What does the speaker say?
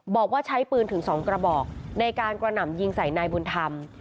บอกว่าใช้ปืนถึง๒กระบอกในการกระหน่ำยิงใส่นายบุญธรรม